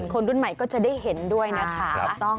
คนรุ่นใหม่ก็จะได้เห็นด้วยนะคะ